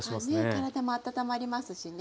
からだも温まりますしね。